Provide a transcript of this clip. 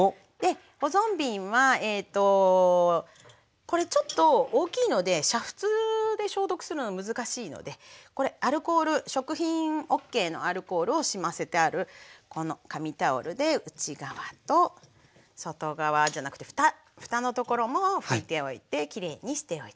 保存瓶はえとこれちょっと大きいので煮沸で消毒するの難しいのでこれアルコール食品ＯＫのアルコールを染ませてあるこの紙タオルで内側と外側じゃなくてふたのところも拭いておいてきれいにしておいて下さい。